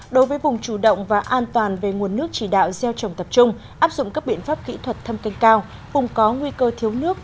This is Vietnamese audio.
đối với vùng chủ động và an toàn về nguồn nước chỉ đạo gieo trồng tập trung áp dụng các biện pháp kỹ thuật thâm canh cao vùng có nguy cơ thiếu nước